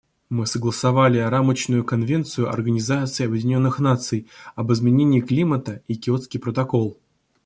Мы согласовали Рамочную конвенцию Организации Объединенных Наций об изменении климата и Киотский протокол.